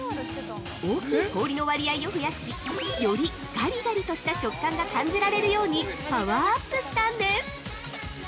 大きい氷の割合を増やし、より「ガリガリ」とした食感が感じられるようにパワーアップしたんです！